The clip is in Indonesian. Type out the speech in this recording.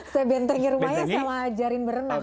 saya bentengi rumahnya sama ajarin berenang